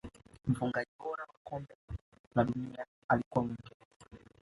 mfungaji bora wa kombe la dunia alikuwa muingereza